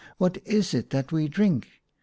what is it that we drink ?